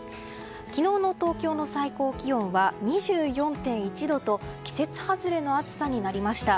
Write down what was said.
昨日の東京の最高気温は２４．１度と季節外れの暑さになりました。